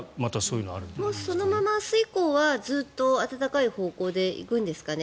そのまま明日以降は暖かい方向で行くんですかね。